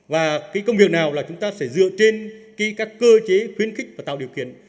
và cái công việc nào là chúng ta sẽ dựa trên các cơ chế khuyến khích và tạo điều kiện